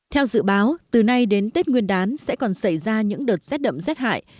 theo dự báo từ nay đến tết nguyên đán sẽ còn xảy ra những đợt rét đậm rét hại